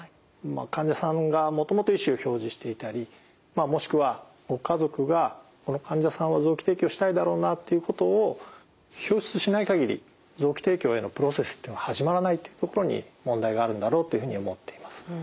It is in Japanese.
患者さんがもともと意思を表示していたりまあもしくはご家族がこの患者さんは臓器提供したいだろうなっていうことを表出しないかぎり臓器提供へのプロセスっていうのは始まらないというところに問題があるんだろうというふうに思っています。